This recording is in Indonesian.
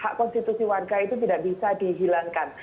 hak konstitusi warga itu tidak bisa dihilangkan